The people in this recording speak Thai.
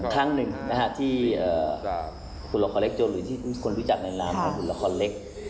ทั้งหนึ่งที่คุณละครเล็กโจรหรือที่คุณรู้จักในรามคุณละครเล็ก